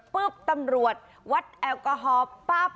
ปุ๊บตำรวจวัดแอลกอฮอล์ปั๊บ